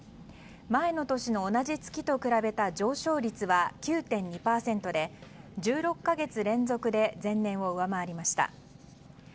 前の年の同じ月と比べた上昇率は９．２％で１６か月連続で前年を上回りました。